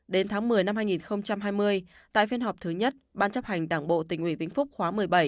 đến tháng một mươi năm hai nghìn hai mươi tại phiên họp thứ nhất ban chấp hành đảng bộ tỉnh ủy vĩnh phúc khóa một mươi bảy